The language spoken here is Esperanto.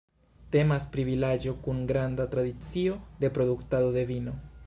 Temas pri vilaĝo kun granda tradicio de produktado de vino.